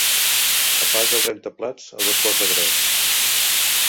Apaga el rentaplats a dos quarts de tres.